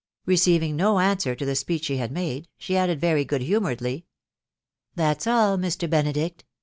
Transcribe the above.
... Receiving no answer to the speech she had made, she added very good humouredly, —" That 's all, Mr. Benedict.